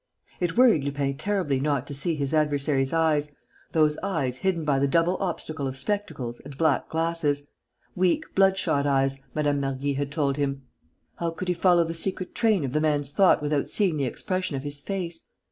It worried Lupin terribly not to see his adversary's eyes, those eyes hidden by the double obstacle of spectacles and black glasses: weak, bloodshot eyes, Mme. Mergy had told him. How could he follow the secret train of the man's thought without seeing the expression of his face?